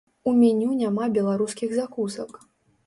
У меню няма беларускіх закусак.